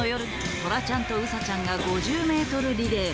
とらちゃんとうさちゃんが５０メートルリレー。